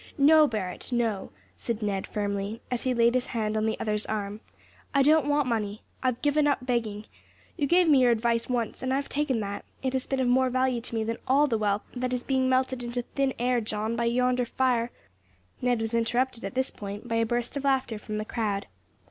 "No, Barret, no," said Ned firmly, as he laid his hand on the other's, arm; "I don't want money; I've given up begging. You gave me your advice once, and I have taken that it has been of more value to me than all the wealth that is being melted into thin air, John, by yonder fire " Ned was interrupted at this point by a burst of laughter from the crowd.